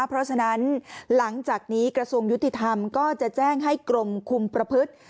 เพราะฉะนั้นหลังจากนี้กระทรวงยุติธรรมก็จะแจ้งให้กรมคุมประพฤติ